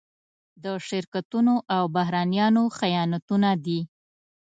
د شرکتونو او بهرنيانو خیانتونه دي.